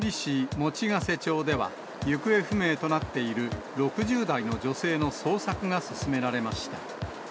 用瀬町では、行方不明となっている６０代の女性の捜索が進められました。